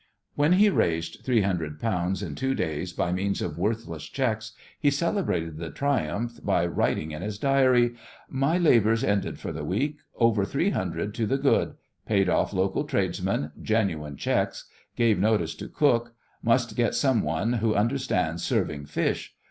When he raised three hundred pounds in two days by means of worthless cheques he celebrated the "triumph" by writing in his diary: "My labours ended for the week. Over three hundred to the good. Paid off local tradesmen genuine cheques. Gave notice to cook. Must get some one who understands serving fish.